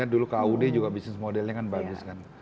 dulu kaud juga bisnis modelnya kan bagus kan